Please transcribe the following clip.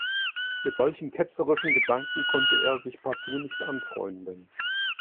Mit solch ketzerischen Gedanken konnte er sich partout nicht anfreunden.